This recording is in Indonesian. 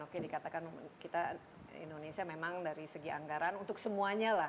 oke dikatakan kita indonesia memang dari segi anggaran untuk semuanya lah